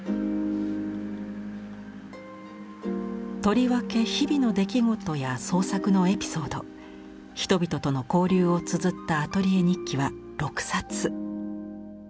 とりわけ日々の出来事や創作のエピソード人々との交流をつづった「アトリエ日記」は６冊。